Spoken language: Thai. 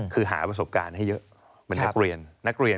คือหาประสบการณ์ให้เยอะเป็นนักเรียน